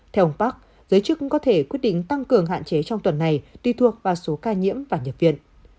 theo ông park giới chức cũng có thể quyết định tăng cường hạn chế trong tuần này tùy thuộc vào số ca nhiễm và nhập viện